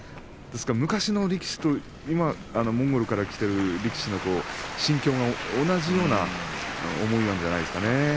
ですから昔の力士と今モンゴルから来ている力士の心境は同じような思いなんじゃないですかね。